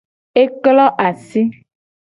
E klo asi.